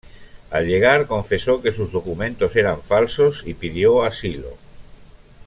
Al llegar confesó que sus documentos eran falsos y pidió asilo.